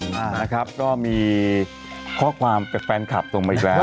อ่านะครับก็มีข้อความกับแฟนคลับส่งมาอีกแล้ว